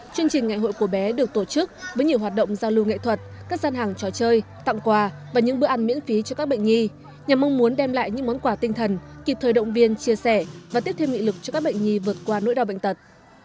chương trình ngày hội của bé được tổ chức với nhiều hoạt động giao lưu nghệ thuật các gian hàng trò chơi tặng quà và những bữa ăn miễn phí cho các bệnh nhi nhằm mong muốn đem lại những món quà tinh thần kịp thời động viên chia sẻ và tiếp thêm nghị lực cho các bệnh nhi vượt qua nỗi đau bệnh tật